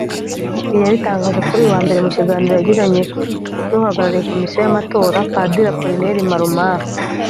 ibi yabitangaje kuri uyu wa mbere mu kiganiro yagiranye n’uhagarariye komisiyo y’amatora Padiri Apolinaire Malumalu